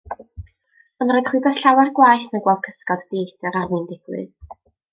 Ond roedd rhywbeth llawer gwaeth na gweld cysgod dieithr ar fin digwydd.